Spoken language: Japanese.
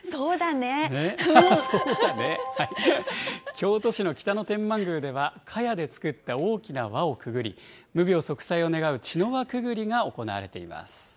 京都市の北野天満宮では、かやで作った大きな輪をくぐり、無病息災を願う茅の輪くぐりが行われています。